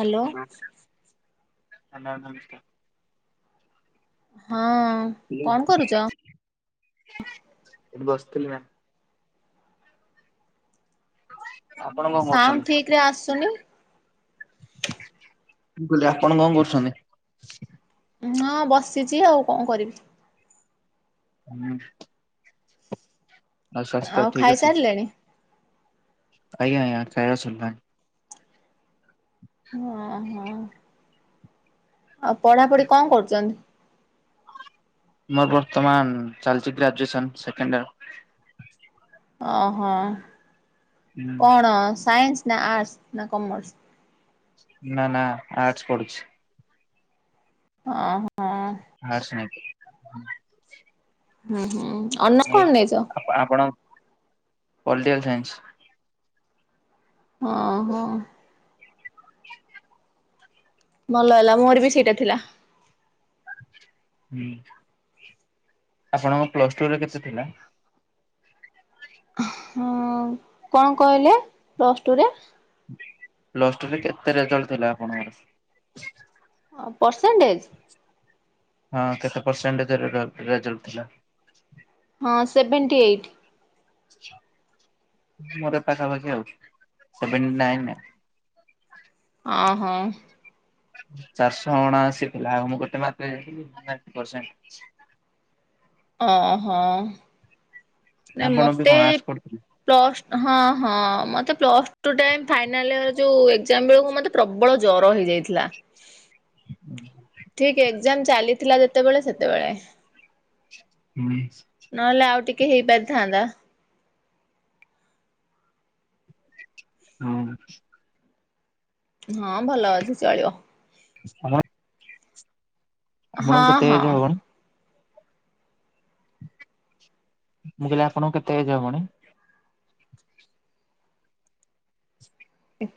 Hello. ଆଜ୍ଞା ନମସ୍କାର। ହଁ କଣ ଏଠି କରୁଚ? କିଛି ନାହିଁ। ଆପଣ କଣ ସାଉଣ୍ଡ କରୁଛନ୍ତି? ଠିକ ରେ ଆସୁନି ମୁଁ କହିଲି ଆପଣ କଣ କରୁଛନ୍ତି? ହଁ ବସିଚି ଆଉ କଣ କରିବି। ହୁଁ। ସ୍ୱାସ୍ଥ୍ୟ ଆଉ ଠିକ ଅଛି ଖାଇସାରିଲେଣି? ଆଜ୍ଞା ଆଜ୍ଞା ଖାଇବା ସରିଲାଣି। ହଁ ହଁ। ଆଉ ପଢାପଢି କଣ କରୁଚନ୍ତି? ମୋର ବର୍ତ୍ତମାନ ଚାଲିଛି ଗ୍ରାଜୁଏସନ ସେକେଣ୍ଡ ଇୟର। ଓହୋ। ହୁଁ କଣ ସାଇନ୍ସ? ନା ଆର୍ଟସ ନା କମର୍ସ? ନା ନା ଆର୍ଟ ପଢୁଚି। ଅ ହଁ। [unintelligible] ହୁଁ ହୁଁ ଅନ କଣ ନେଇଛ ପଲିଟିକଲ ସାଇନ୍ସ ହଁ ହୋ ଭଲ ହେଲା ମୋର ବି ସେଇଟା ଥିଲା ହ ଆପଣଙ୍କ ପ୍ଲସ ଟୁରେ କେତେ ଥିଲା ହଁ କଣ କହିଲେ ପ୍ଲସ ଟୁରେ ଲରେ କେତେ ରେଜଲଟ ଥିଲା ଆପଣଙ୍କର ପରର୍ସେଣ୍ଟେଜ ହଁ କେତେ ପରସେଣ୍ଟ ରେଜଲ ଥିଲା ହଁ ସେଭଣ୍ଟି ଏଇଟ୍ [inaudible] ମୋର ପାଖ ପାଖ ଆଉଛି ସେବେଣ୍ଟୁ ନାଇ ଓ ହୋ ଚାରିଶହ ଅଣା ଆସି ଥିଲା ଆଉ ମୁଁ ଗୋଟେ ମାତ୍ରେ ଯଥିଲିଣ୍ [inaudible] ହ ହୋ ନା ଆପଣ ବି ମତେ କଣ ଆର୍ଟସ ପଢୁଥିଲେ? ପ୍ଲସ୍ ହଁ ହଁ ମତେ ପ୍ଲସ୍ ଟୁ ତ ଫାଇନାଲ ୟର ଏକ୍ସାମ୍ ବେଳକୁ ମତେ ପ୍ରବଳ ଜର ହେଇଯାଇଥିଲା ହୁଁ [unintelligible] ସେତେବେଳେ ସେତେବେଳେ ହୁଁ ନହେଲେ ଆଉ ଟିକେ ହେଇପାରିଥାନ୍ତା ହଁ ହଁ ଭଲ ଅଛି ଚଳିବ ହ ହଁ ଆପଣଙ୍କୁ କେତେ ହଁ ଏଜ ହବ କଣ ମୁଁ କହିଲି ଆପଣଙ୍କୁ କେତେ ଏଜ ହବଣି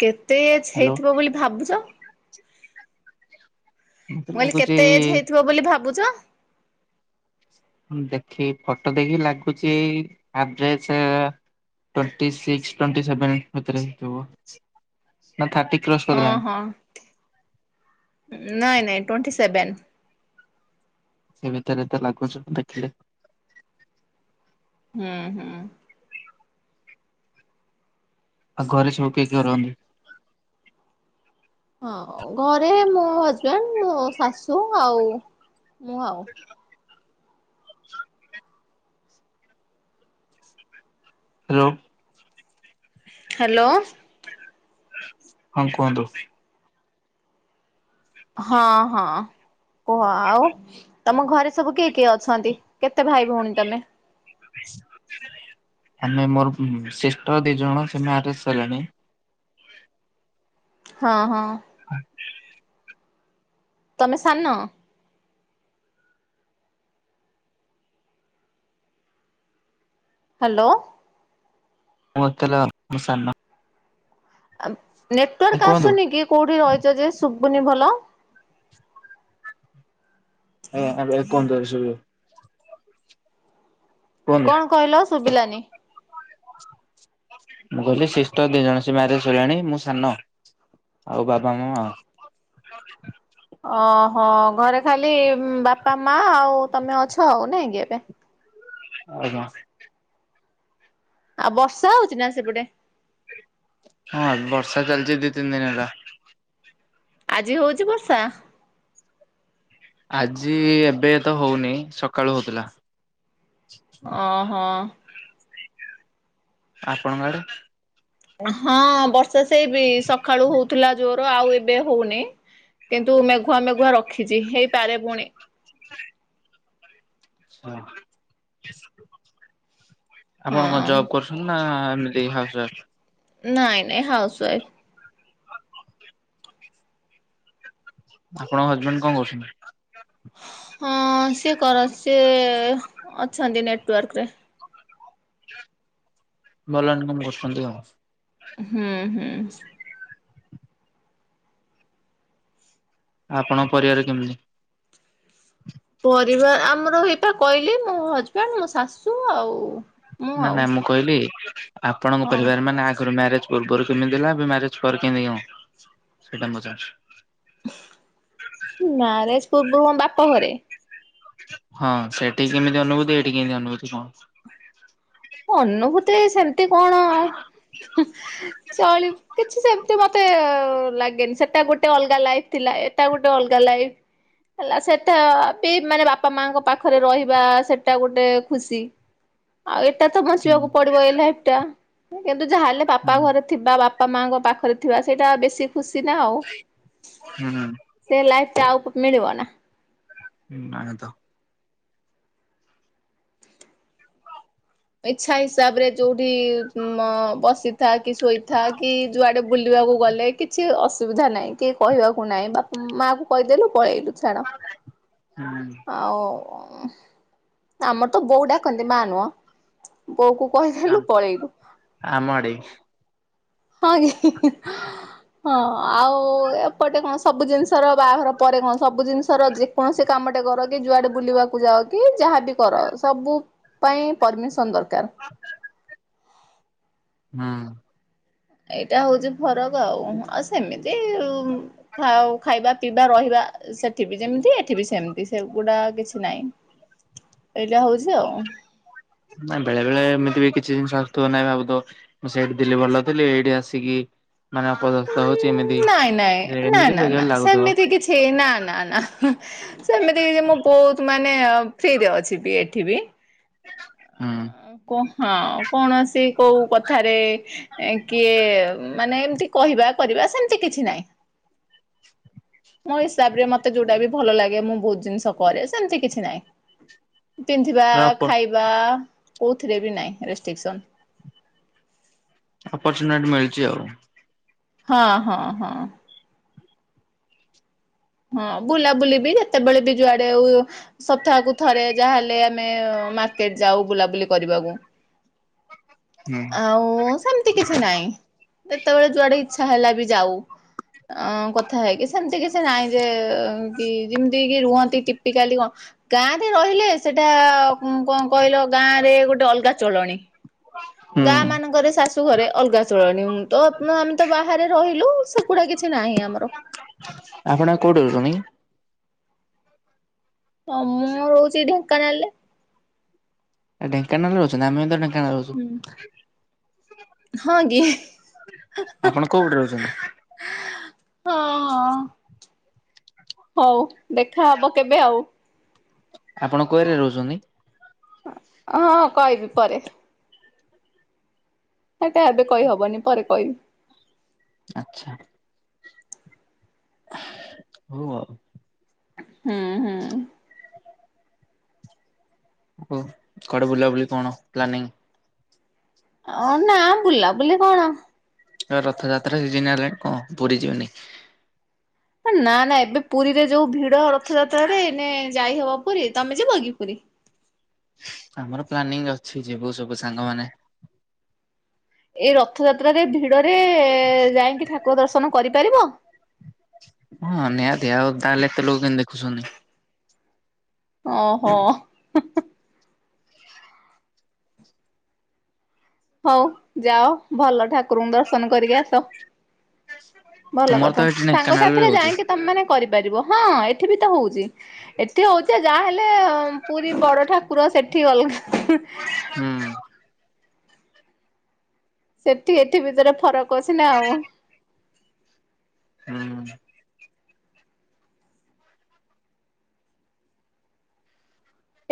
କେତେ ଏଜ୍ ହ୍ୟାଲୋ ହେଇଥିବ ବୋଲି ଭାବୁଛ ମତେ ମୁଁ କହିଲି ଲାଗୁଛି କେତେ ଏଜ ହେଇଥିବ ବୋଲି ଭାବୁଛ ଦେଖି ଫଟୋ ଦେଖି ଲାଗୁଛିଇ address twenty six twenty seven ଭତରେ [inaudible] ହଁ ହଁ ନାଇଁ ନାଇଁ ଟ୍ବେଣ୍ଟି ସେଭେନ ସେ ଭିତରେ ତ ଲାଗୁଛ ଦେଖିଲେ ହୁଁ ହୁଁ ଆଉ ଘରେସବୁ କିଏ କିଏ ରହନ୍ତି ହଁ ଘରେ ମୋ ହଜବେଣ୍ଡ ମୋ ଶାଶୁ ଆଉ ମୁଁ ଆଉ ହ୍ୟାଲୋ ହ୍ୟାଲୋ ହଁ କୁହନ୍ତୁ ହଁ ହଁ କୁହ ଆଉ ତମ ଘରେ ସବୁ କିଏ କିଏ ଅଛନ୍ତି କେତେ ଭାଇ ଭଉଣୀ ତମେ ଆମେ ମୋର ସିଷ୍ଟର ଦି ଜଣ ସେ ମାରେଜ ସାଇଲାଣି ହଁ ହଁ ହଁ ତମେ ସାନ ହ୍ୟାଲୋ ମୁତଲା ମୁ ସାନ ଏ ନେଟୱାର୍କ କୁହନ୍ତୁ ଆସୁନି କି କୋଉଠି ରହିଛ ଯେ ଶୁଭୁନି ଭଲ ଏ ଆମ ଏକ ତର ସୁୁ କୁହନ୍ତୁ। କଣ କହିଲ ଶୁଭିଲାନି ମୁଁ କହିଲି ଶିଷ୍ଟ ଦି ଜଣ ସ ମ୍ୟାରେଜ ହେଲାଣି ମୁଁ ସାନ ଆଉ ବାପ ମାମା ଓହୋ ଘରେ ଖାଲି ବାପା ମା ଆଉ ତମେ ଅଛ ଆଉ ନାଇଁ କି ଏବେ? ଆଜ୍ଞା। ଆଉ ବର୍ଷା ହଉଚି ନା ସେପଟେ? ହଁ ବର୍ଷା ଚାଲିଚି ଦି ତିନି ଦିନ ହେଲା। ଆଜି ହଉଚି ବର୍ଷା? ଆଜି ଏବେ ତ ହଉନି ସକାଳୁ ହଉଥିଲା। ଓହୋ। ଆପଣଙ୍କ ଆଡେ? ହଁ ବର୍ଷା ସେଇ ବି ସକାଳୁ ହଉଥିଲା ଜୋର ଆଉ ଏବେ ହଉନି। କିନ୍ତୁ ମେଘୁଆ ମେଘୁଆ ରଖିଛି ହେଇପାରେ ପୁଣି? [inaudible] ହଁ ଆପଣ କଣ ହଁ। ଜବ କରୁଛନ୍ତି ନା [unintelligible] ନାଇଁ ନାଇଁ ହାଉସୱାଇଫ। [inaudible] ଆପଣଙ୍କ ହଜବେଣ୍ଡ କଣ କହୁଚନ୍ତି? ହଁ ସିଏ କର ସିଏ ଅଛନ୍ତି ନେଟୱାର୍କ ରେ। ଭଲ ଇନ୍ କମ୍ କରୁଛନ୍ତି ଆଉ। ହୁଁ ହୁଁ। ଆପଣଙ୍କ ପରିବାର କେମିତି? ପରିବାର ଆମର ଏଇପା କହିଲି ମୋ ହଜବେଣ୍ଡ, ମୋ ଶାଶୁ, ଆଉ ନା ନା ମୁଁ କହିଲି, ଆପଣଙ୍କ ହଁ ପରିବାର ମାନେ ଆଗରୁ ମ୍ୟାରେଜ ସ୍ଵର୍ଗରେ କେମିତି ଥିଲା ଏବେ ମ୍ୟାରେଜ ପରେ କେମିତି ହେଇଗଲା ସେଇଟା ପଚାରେ? ମ୍ୟାରେଜ ପୂର୍ବରୁ ମୋ ବାପ ଘରେ। ହଁ ସେଠି କେମିତି ଅନୁଭୂତି, ଏଇଠି କେମତି ଅନୁଭୂତି କଣ? ଅନୁଭୂତି ସେମିତି କଣ ଚଳିବ କିଛି ସେମିତି ମ ତେ ଲାଗେନି ସେଟା ଗୋଟେ ଅଲଗା ଲାଇଫ ଥିଲା, ଏଟା ଗୋଟେ ଅଲଗା ଲାଇଫ। ହେଲା ସେଟା ବି ମାନେ ବାପା ମାଙ୍କ ପାଖରେ ରହିବା, ସେଟା ଗୋଟେ ଖୁସି। ଆଉ ଏଇଟା ତ ହୁଁ ବଞ୍ଚିବାକୁ ପଡିବ ଏଇ ଲାଇଫ୍ ଟା କିନ୍ତୁ ଯାହା ହେଲେ ବାପା ଘରେ ଥିବା ବାପା ମାଆଙ୍କ ପାଖରେ ଥିବା ସେଇଟା ବେଶୀ ଖୁସି ନା ଆଉ ହୁଁ ହୁଁ ସେ ଲାଇଫ୍ ଟା ଆଉ ମିଳିବ ନା? [unintelligible] ଇଚ୍ଛା ହିସାବରେ ଯୋଉଠି ବସିଥା କି ଶୋଇଥା କି ଯୁଆଡେ ବୁଲିବାକୁ ଗଲେ କିଛି ଅସୁବିଧା ନାହିଁ, କିଏ କହିବାକୁ ନାହିଁ, ବାପା ମାଆ କୁ କହିଦେଲୁ ପଳେଇଲୁ। ଛାଡ଼ ହୁଁ ଆଉ ଆମର ତ ବୋଉ ଡାକନ୍ତି ମା ନୁହଁ। ବୋଉକୁ କହିଦେଲୁ, ପଳେଇଲୁ। ଆମ ଆଡେ ହଁ ଇ [unintelligible] ହଁ ଆଉ ଏପଟେ କଣ ସବୁ ଜିନିଷର ବାହାଘର ପରେ କଣ ସବୁ ଜିନିଷର ଯେକୌଣସି କାମ କାମଟେ କର କି ଯୁଆଡେ ବୁଲିବାକୁ ଯାଅ କି ଯାହାବି କର ସବୁ ପାଇଁ ପରମିସନ ଦରକାର। [inaudible] ଏଇଟା ହଉଚି ଫରକ ଆଉ ଆଉ ସେମିତି ଖାଇବା, ପିଇବା, ରହିବା ସେଠି ବି ଯେମିତି, ଏଠି ବି ସେମିତି । ସେଗୁଡା କିଛି ନାହିଁ। [inaudible] ଏଇଟା ହଉଛି ଆଉ। ନା ବେଳେ ବେଳେ ଏମିତି ବି କି କିଛି ଜିନିଷ ଆସୁଥିବ ନାଇଁ ଭାବୁ ଥବ, ମୁଁ ସେଇଠି ଥିଲି ଭଲ ଥିଲି ଏଇଠି ଆସିକି [unintelligible] ନାଇଁ ନାଇଁ ନା ଏମିତି ନା ବେକାର ନା ଲାଗୁଥିବ ସେମିତି କିଛି ନା ନା ନା ସେମିତି କିଛି ମୁଁ ବହୁତ ମାନେ ଫ୍ରିରେ ଅଛି ବି ଏଠି ବି। ହୁଁ। ଆ ହଁ କୌଣସି କୋଉ କଥାରେ କିଏ ମାନେ ଏମିତି କହିବା, କରିବା ସେମିତି କିଛି ନାହିଁ। [inaudible] ମୋ ହିସାବରେ ମତେ ଯୋଉଟା ବି ଭଲ ଲାଗେ ମୁଁ ବହୁତ ଜିନିଷ କରେ ସେମତି କିଛି ନାହିଁ। ପିନ୍ଧିବା, ଅପ ଖାଇବା କୋଉଥିରେ ବି ନାହିଁ ରେଷ୍ଟ୍ରିକସନ। ଅପର୍ଚୁନିଟି ମିଳିଛି ଆଉ। ହଁ ହଁ ହଁ। ହଁ ବୁଲାବୁଲି ବି ଯେତେବେଳେ ବି ଯୁଆଡେ ଆଉ ସପ୍ତାହକୁ ଥରେ ଯାହାହେଲେ ଆମେ ମାର୍କେଟ ଯାଉ ବୁଲାବୁଲି କରିବାକୁ। ହୁଁ ଆଉ ସେମିତି କିଛି ନହିଁ ଯେତେବେଳେ ଯୁଆଡେ ଇ ଇଛା ହେଲା ବି ଯାଉ ଅ କଥା ହେଇକି ସେମିତି କିଛି ନାଇଁ। ଯେ କି ଯେମିତି କି ରୁହନ୍ତି ଟିପିକାଲି କଣ ଗାଁରେ ରହିଲେ ସେଟା କଣ କହିଲ ଗାଁ ରେ ଗୋଟେ ଅଲଗା ଚଳଣି। ଗାଁ ହୁଁ ମାନଙ୍କରେ ଶାଶୁ ଘରେ ଅଲଗା ଚଳଣି ତ ଆମେ ତ ବାହାରେ ରହିଲୁ ସେଗୁଡା କିଛି ନାହିଁ ଆମର। ଆପଣ କୋଉଠି ରହୁଚନ୍ତି? ହଁ ମୁଁ ରହୁଛି ଢେଙ୍କାନାଳରେ। ଏ ଢେଙ୍କାନାଳରେ ରହୁଛ ନା ଆମେ ତ ଢେଙ୍କାନାଳ ରହୁଛୁ। ହଁ କି? ହଁ ଆପଣ କୋଉଠି ରହୁଛନ୍ତି ହଁ। ହଉ ଦେଖା ହବ କେବେ ଆଉ। ଆପଣ କୁଆରେ ରହୁଛନ୍ତି। ହଁ କହିବି ପରେ। ସେଟା ଏବେ କହିହବନି ପରେ କହିବି। ଆଛା। ହଉ ଆଉ । ହୁଁ ହୁଁ। ହ କୁଆଡେ ବୁଲାବୁଲି କଣ ପ୍ଲାନିଂ। ଅ ନା ବୁଲା ବୁଲି କଣ? ରଥଯାତ୍ରା ସିଜିନ ହେଲାଣି କଣ ପୁରୀ ଯିବାନିକି? ନା ନା ଏବେ ପୁରୀରେ ଯୋଉ ଭିଡ ରଥଯାତ୍ରାରେ ଏଇନେ ଯାଇହବ। ପୁରୀ ତମେ ଯିବକି ପୁରୀ? ଆମର ପ୍ଲାନିଂ ଅଛି ଯିବୁ ସବୁ ସାଙ୍ଗମାନେ? ଏଇ ରଥଯାତ୍ରାରେ ଭିଡରେ ଯାଇକି ଠାକୁର ଦର୍ଶନ କରିପାରିବ? ହଁ ନିହାତିି ଆଉ ତାହେଲେ ଏତେ ଲୋକ କେମତି ଦେଖୁଛନ୍ତି। ଓହୋ। ହଉ ଯାଅ ଭଲ ଠାକୁରଙ୍କୁ ଦର୍ଶନ କରିକି ଆସ। ଭଲ ତମର ତ କଥା ଏଠି ସାଙ୍ଗ ଢେଙ୍କାନାଳ ରେ ସାଥିରେ ହଉଛି। ଯାଇକି ତମେ ମାନେ କରି ହେଇପାରିବ ହଁ ଏଠି ବି ତ ହଉଛି ଏତେ ହଉଛି ଯାହା ଲେ ପୁରୀ ବଡ ଠାକୁର ସେଠି ଅଲଗା। ହୁଁ ସେଠି ଏଠି ଭିତରେ ଫରକ ଅଛି ନା ଆଉ। ହୁଁ।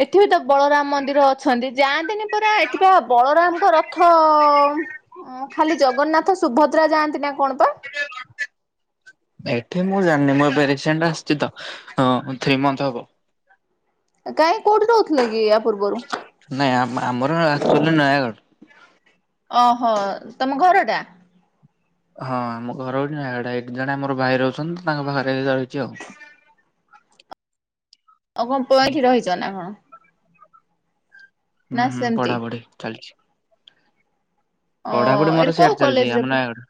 ଏଠି ବି ତ ବଳରାମ ମନ୍ଦିର ଅଛନ୍ତି ଯାଆନ୍ତିନି ପରା ଏଥିପାଇଁ ବଳରାମଙ୍କ ରଥ ଓଁ ଖାଲି ଜଗନ୍ନାଥ ସୁଭଦ୍ରା ଯାଆନ୍ତି ନା କଣ ପା? ସେଟା ର ଏଠି ମୁଁ ଜାଣିନି ମୁଁ ଏ ରିସେଣ୍ଟ ଆସିଛି ତ ଥ୍ରୀ ମନଥ ହବ। କାଇଁ କଉଠି ରହୁଥିଲା କି? ପୂର୍ବରୁ? ନାଇଁ ଆମ୍ ଆମର ଆକ୍ଚୁଆଲି ରେ ନୟାଗଡ। ଅହୋ ତମ ଘର ଟା? ହଁ ଆମ ଘର ହଉଚି ନୟାଗଡ଼। ଏଠି ଜଣେ ଆମର ଭାଇ ରହୁଛନ୍ତି ତ ତାଙ୍କ ପାଖରେଇ ରହିଚି ଆଉ। ଆଉ କଣ ପୁଆ ଏଠି ରହିଚ ନା କଣ? ନା ହୁଁ ହୁଁ ସେମିତି? ପଢା ପଢି ଚାଲିଚି। ଅ ପଢାପଢି ଏଠି ମୋର କୋଉ ସିଆଡେ ଚାଲିଚି କଲେଜରେ ଆମ ନୟାଗଡ଼।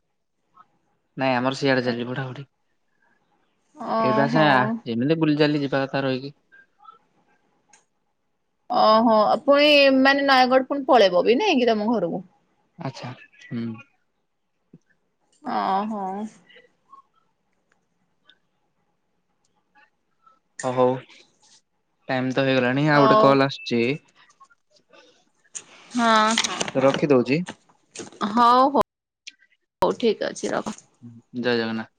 ନାଇଁ ଆମର ସିଆଡେ ଚାଲିଚି ପଢାପଢି। ଏଇଟା ସେୟା ଓହୋ। ଯେମିତି ବୁଲି ଚାଲି ଯିବି ଗାତାର ରହିକି। ଓହୋ ପୁଣି ମାନେ ନୟାଗଡ ପୁଣି ପଳେଇବ ବି ନାଇଁକି ତମ ଘରୁକୁ ଆଚ୍ଛା ହୁଁ। ଓ ହୋ। ଓ ହଉ ଟାଇମ୍ ତ ହେଇଗଲାଣି ଆଉ ଗୋଟେ ହଉ କଲ୍ ଆସୁଚି। ହଁ। ତ ରଖିଦଉଛି ହଉ ହଉ ହଉ ଠିକ ଅଛି ରଖ। ଜୟ ଜଗନ୍ନାଥ।